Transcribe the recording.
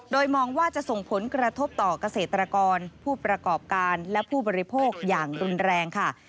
โดยมองว่าจะส่งผลกระทบต่อเกษตรกรผู้ประกอบการและผู้บริโภคอย่างรุนแรงค่ะ